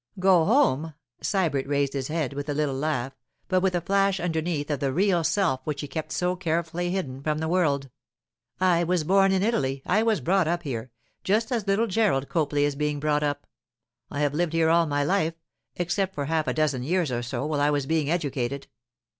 'Go home!' Sybert raised his head, with a little laugh, but with a flash underneath of the real self which he kept so carefully hidden from the world. 'I was born in Italy; I was brought up here, just as little Gerald Copley is being brought up. I have lived here all my life, except for half a dozen years or so while I was being educated.